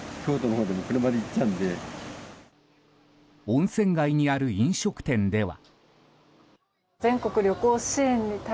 温泉街にある飲食店では。